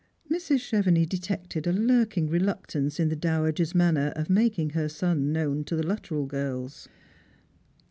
Mrs. Chevenix detected a lurkmg reluctance in the dowager's manner of making her son known to the Luttrell girls.